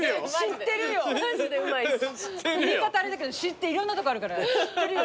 言い方あれだけどいろんなとこあるから知ってるよ。